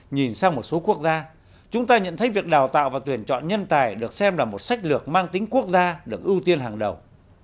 nhìn sang một số quốc gia chúng ta nhận thấy việc đào tạo và tuyển chọn nhân tài được xem là một sách lược mang tính quốc gia được ưu tiên hàng đầu